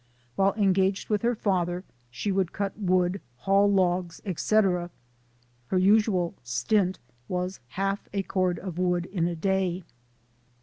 While engaged with her father, she would cut wood, haul logs, etc. Her usual ' stint ' was half a cord of wood in a day.